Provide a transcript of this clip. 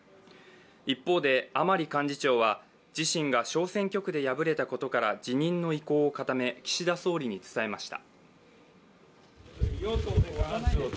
一方で、甘利幹事長は自身が小選挙区で敗れたことから辞任の意向を固め岸田総理に伝えました。